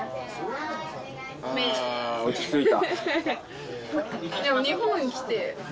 ああ落ち着いた。